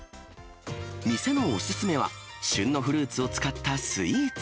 店のお勧めは、旬のフルーツを使ったスイーツ。